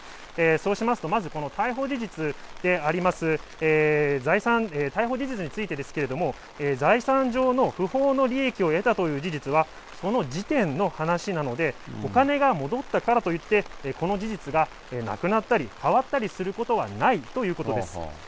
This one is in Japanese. そうしますと、まずこの逮捕事実であります、逮捕事実についてですけれども、財産上の不法な利益を得たという事実は、その時点の話なので、お金が戻ったからといって、この事実がなくなったり変わったりすることはないということです。